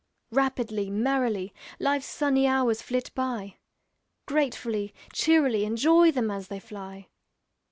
Rapidly, merrily, Life's sunny hours flit by, Gratefully, cheerily Enjoy them as they fly!